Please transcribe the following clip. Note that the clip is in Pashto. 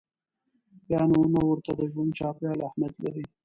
بیا نو نه ورته د ژوند چاپېریال اهمیت لري.